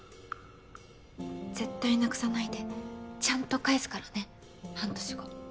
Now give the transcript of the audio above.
絶対なくさないでちゃんと返すからね半年後。